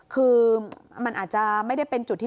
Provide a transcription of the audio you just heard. คือมันอาจจะไม่ได้เป็นจุดที่